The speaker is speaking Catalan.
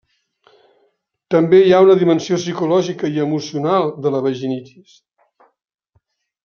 També hi ha una dimensió psicològica i emocional de la vaginitis.